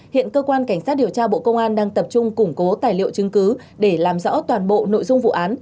hiện cơ quan cảnh sát điều tra bộ công an đang tập trung củng cố tài liệu chứng cứ để làm rõ toàn bộ nội dung vụ án